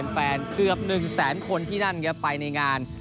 แฟนเกือบ๑แสนคนที่นั่นเเกี้ยไปในงาน